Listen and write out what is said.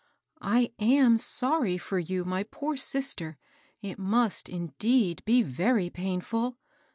" I am sorry for you, my poor sister. It must, indeed, be very painftd."